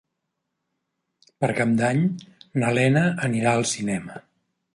Per Cap d'Any na Lena anirà al cinema.